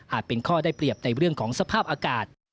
เป็นข้อได้เปรียบในเรื่องของสภาพอากาศ